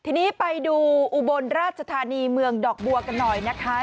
ทีนี้ไปดูอุบลราชธานีเมืองดอกบัวกันหน่อยนะคะ